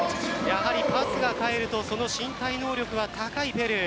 パスが返るとその身体能力は高いペルー。